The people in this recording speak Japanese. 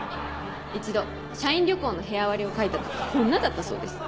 一度社員旅行の部屋割りを描いた時こんなだったそうです。